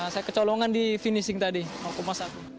saya kecolongan di finishing tadi mau kemas aku